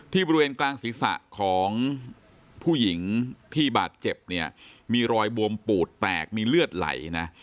บริเวณกลางศีรษะของผู้หญิงที่บาดเจ็บเนี่ยมีรอยบวมปูดแตกมีเลือดไหลนะ